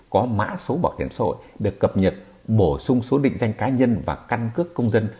có mã số bảo hiểm xã hội được cập nhật bổ sung số định danh cá nhân và căn cước công dân